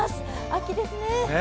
秋ですね。